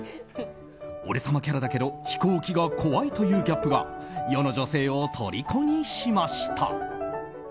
俺様キャラだけど飛行機が怖いというギャップが世の女性をとりこにしました。